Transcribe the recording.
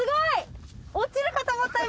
落ちるかと思った今。